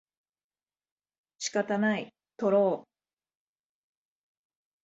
仕方ない、とろう